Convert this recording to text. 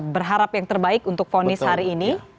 berharap yang terbaik untuk fonis hari ini